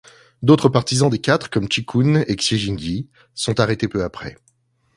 D'autres partisans des Quatre comme Chi Qun et Xie Jingyi sont arrêtés peu après.